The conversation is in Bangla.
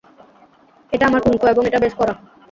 এটা আমার কুংফু এবং এটা বেশ কড়া!